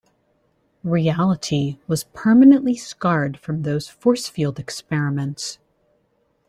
Reality was permanently scarred from those force field experiments.